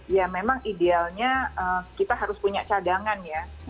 ya memang idealnya kita harus punya cadangan ya